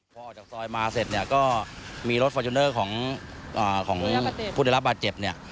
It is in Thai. พอออกจากซอยมาเสร็จเนี่ยก็มีรถฟอร์จูเนอร์ของผู้ได้รับบาดเจ็บเนี่ย